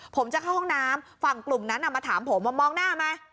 ผมจะเข้าห้องน้ำฝั่งกลุ่มนั้นมาถามผมว่ามองหน้าไหม